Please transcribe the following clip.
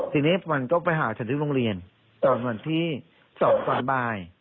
ทีนี้มันก็ไปหาฉันที่โรงเรียนตอนวันที่๒ตอนบ่าย